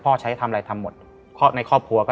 ใช้ทำอะไรทำหมดในครอบครัวก็